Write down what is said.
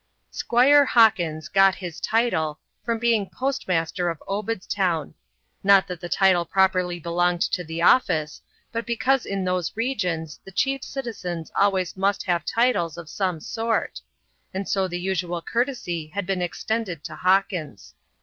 "Squire" Hawkins got his title from being postmaster of Obedstown not that the title properly belonged to the office, but because in those regions the chief citizens always must have titles of some sort, and so the usual courtesy had been extended to Hawkins.